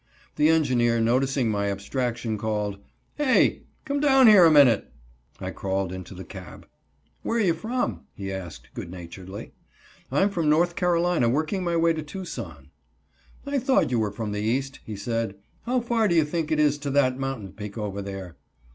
The engineer, noticing my abstraction, called: "Hey, come down here a minute." I crawled into the cab. "Where are you from?" he asked, good naturedly. "I'm from North Carolina working my way to Tucson." "I thought you were from the East," he said. "How far do you think it is to that mountain peak over there?"